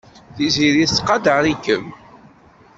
Tiziri tettqadar-ikem.